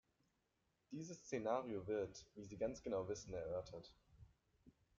Dieses Szenario wird, wie Sie ganz genau wissen, erörtert.